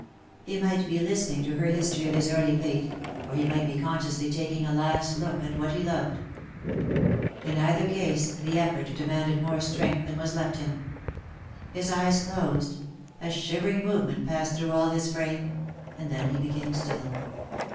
He might be listening to her history of his early fate — or he might be consciously taking a last look at what he loved. In either case the effort demanded more strength than was left him — his eyes closed, a shivering move ment passed through all his frame, and then he became still.